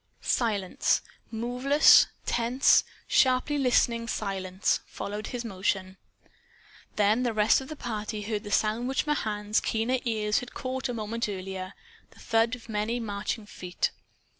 Silence moveless, tense, sharply listening silence followed his motion. Then the rest of the party heard the sound which Mahan's keener ears had caught a moment earlier the thud of many marching feet.